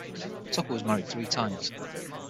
Tucker was married three times.